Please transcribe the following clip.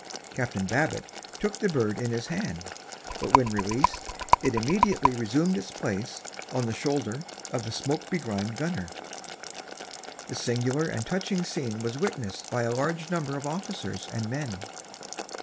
Captain Babbitt took the bird in his hand, but when released it immediately resumed its place on the shoulder of the smoke begrimed gunner. The singular and touching scene was witnessed by a large number of officers and men.